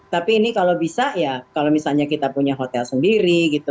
tapi ini kalau bisa ya kalau misalnya kita punya hotel sendiri gitu